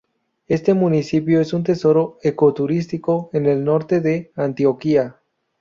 Este municipio es un tesoro ecoturístico en el norte de Antioquia.